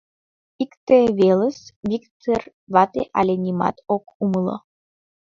Икте велыс, — Виктыр вате але нимат ок умыло.